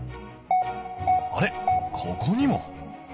あれここにも？